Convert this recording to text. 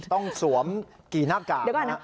ต้องสวมกี่หน้ากากนะ